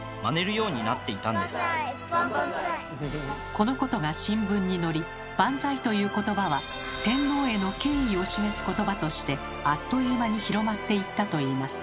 このことが新聞に載り「バンザイ」ということばは天皇への敬意を示すことばとしてあっという間に広まっていったといいます。